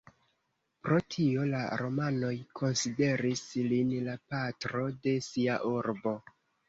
Pro tio, la romanoj konsideris lin la patro de sia urbo.